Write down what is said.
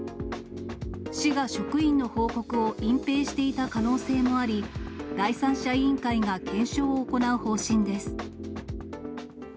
市が職員の報告を隠蔽していた可能性もあり、第三者委員会が検証を行う方針です。